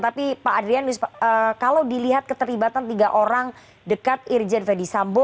tapi pak adrian kalau dilihat keterlibatan tiga orang dekat irjen ferdisambo